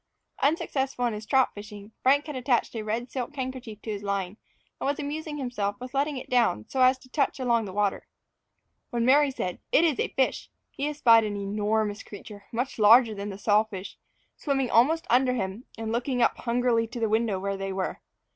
Unsuccessful in his trout fishing, Frank had attached a red silk handkerchief to his line, and was amusing himself with letting it down so as to touch along the water. When Mary said "it is a fish," he espied an enormous creature, much larger than the sawfish, swimming almost under him, and looking up hungrily to the window where they were.